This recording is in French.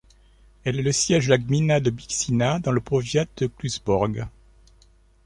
Elle est le siège de la gmina de Byczyna, dans le powiat de Kluczbork.